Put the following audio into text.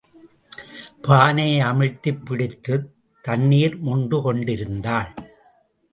பானையை அமிழ்த்திப் பிடித்துத் தண்ணீர் மொண்டு கொண்டிருந்தாள்.